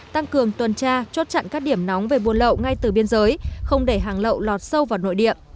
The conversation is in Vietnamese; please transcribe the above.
tăng cường tuần tra chốt chặn các điểm nóng về buôn lậu ngay từ biên giới không để hàng lậu lọt sâu vào nội địa